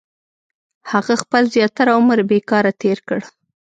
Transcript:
• هغه خپل زیاتره عمر بېکاره تېر کړ.